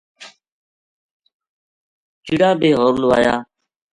چِڑا بے ہور لوایا